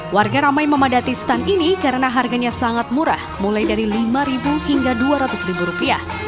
warga ramai memadati stan ini karena harganya sangat murah mulai dari lima hingga dua ratus rupiah